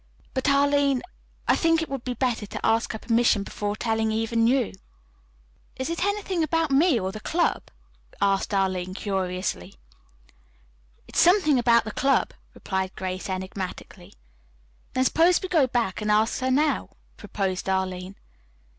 But, Arline, I think it would be better to ask her permission before telling even you." "Is it anything about me or about the club?" asked Arline curiously. "It is something about the club," replied Grace enigmatically. "Then suppose we go back and ask her now," proposed Arline.